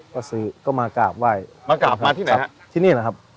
ก็ซื้อก็มากราบไหว้มากราบมาที่ไหนฮะที่นี่แหละครับ